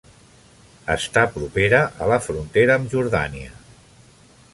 Està propera a la frontera amb Jordània.